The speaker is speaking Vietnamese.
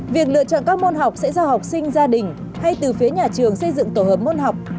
việc lựa chọn các môn học sẽ do học sinh gia đình hay từ phía nhà trường xây dựng tổ hợp môn học